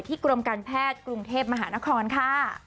กรมการแพทย์กรุงเทพมหานครค่ะ